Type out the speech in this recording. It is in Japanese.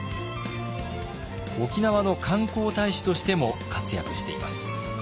沖縄の観光大使としても活躍しています。